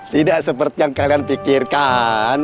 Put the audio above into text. tidak seperti yang kalian pikirkan